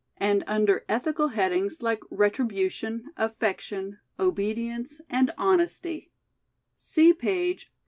and under ethical headings like Retribution, Affection, Obedience, and Hon esty — see page 469.